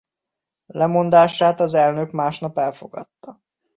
Lemondását az elnök másnap elfogadta.